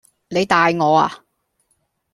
你大我呀